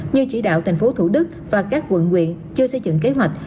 như chỉ đạo tp thủ đức và các quận quyện chưa xây dựng kế hoạch